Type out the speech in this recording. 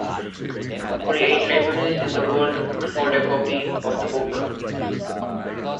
Only eight libraries in the world hold a copy of the book.